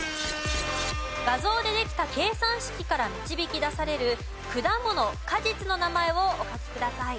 画像でできた計算式から導き出される果物・果実の名前をお書きください。